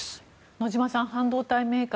野嶋さん、半導体メーカー